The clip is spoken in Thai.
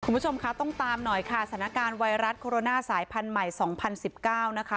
คุณผู้ชมคะต้องตามหน่อยค่ะสถานการณ์ไวรัสโคโรนาสายพันธุ์ใหม่๒๐๑๙นะคะ